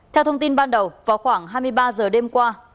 theo thông tin ban đầu vào khoảng hai mươi ba h đêm qua